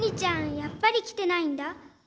やっぱり来てないんだ。